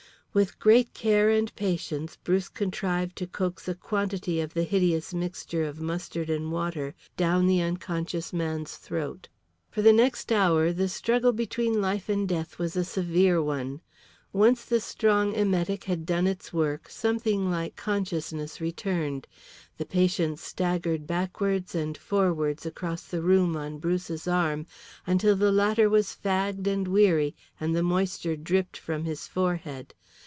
With great care and patience Bruce contrived to coax a quantity of the hideous mixture of mustard and water down the unconscious man's throat. For the next hour the struggle between life and death was a severe one. Once the strong emetic had done its work something like consciousness returned. The patient staggered backwards and forwards across the room on Bruce's arm until the latter was fagged and weary and the moisture dripped from his forehead.